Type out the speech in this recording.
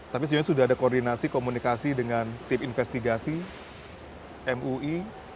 tapi sejauh ini sudah ada koordinasi komunikasi dengan tim investigasi mui